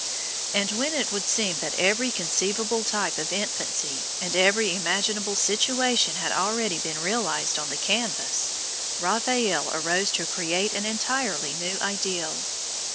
And when it would seem that every conceivable type of infancy, and every imaginable situation had already been realized on the canvas, Raphael arose to create an entirely new ideal.